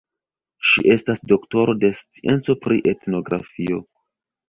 Ŝi estas doktoro de scienco pri etnografio.